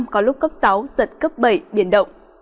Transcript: có lúc cấp sáu giật cấp bảy biển động